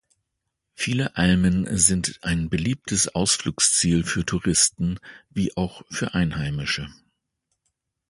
Viele Almen sind ein beliebtes Ausflugsziel für Touristen wie auch für Einheimische.